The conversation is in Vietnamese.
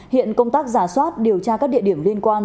hiện công tác giả soát điều tra các địa điểm liên quan